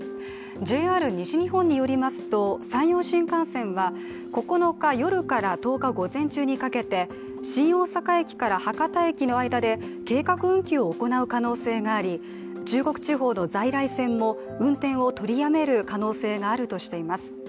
ＪＲ西日本によりますと山陽新幹線は９日夜から１０日午前中にかけて新大阪駅から博多駅の間で計画運休を行う可能性があり中国地方の在来線も運転を取りやめる可能性があるとしています。